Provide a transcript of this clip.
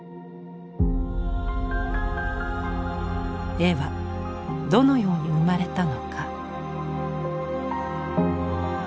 絵はどのように生まれたのか？